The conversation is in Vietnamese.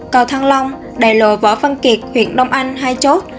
cầu thăng long đại lộ võ văn kiệt huyện đông anh hai chốt